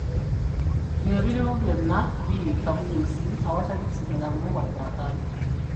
Ng'ebirimu byonna biyiika buyiisi awatali kusigalamu wadde akantu!